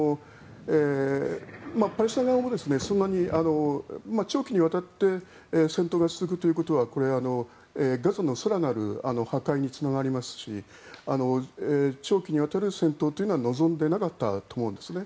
パレスチナ側もそんなに長期にわたって戦闘が続くということはガザの更なる破壊につながりますし長期にわたる戦闘は望んでいなかったと思うんですね。